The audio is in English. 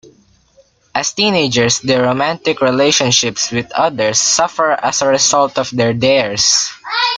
As teenagers their romantic relationships with others suffer as a result of their dares.